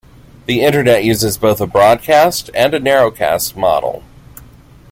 The Internet uses both a broadcast and a narrowcast model.